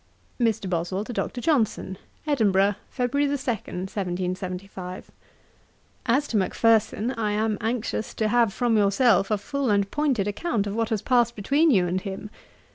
'MR. BOSWELL TO DR. JOHNSON. 'Edinburgh, Feb. 2, 1775 'As to Macpherson, I am anxious to have from yourself a full and pointed account of what has passed between you and him.